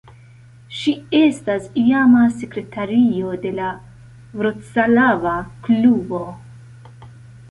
Ŝi estas iama sekretario de la Vroclava klubo.